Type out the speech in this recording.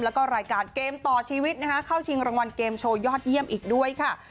แล้วก็รายการเกมต่อชีวิตนะคะเข้าชิงรางวัลเกมโชว์ยอดเยี่ยมอีกด้วยค่ะ